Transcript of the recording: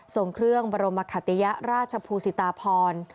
ส่งเครื่องบรมคติยราชภูสิตาพร